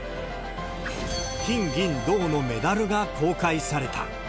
金銀銅のメダルが公開された。